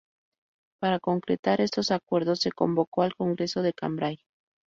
Para concretar estos acuerdos se convocó el Congreso de Cambrai.